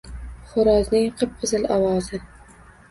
Xo’rozning qip-qizil ovozi.